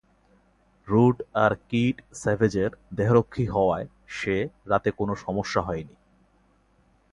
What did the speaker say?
Rude আর Kid স্যাভেজের দেহরক্ষী হওয়ায় সে রাতে কোন সমস্যা হয়নি।